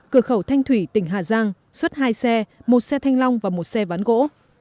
cửa khẩu thanh thủy tỉnh hà giang xuất hai xe một xe thanh long và một xe ván gỗ